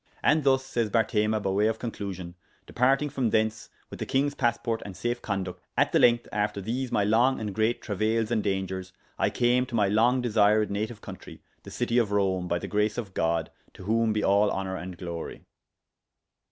And thus, says Bartema by way of conclusion, departing from thence with the kyngs pasporte and safe conducte, at the length after these my long and great trauayles and [p.337] dangers, I came to my long desyred native countrey, the citie of Rome, by the grace of God, to whom be all honour and glory.